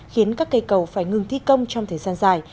khiến các cây cầu phải ngừng thi công trong thời gian dài